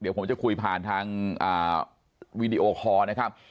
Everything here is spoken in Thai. เดี๋ยวผมจะคุยผ่านทางวีดีโอคอร์นะครับ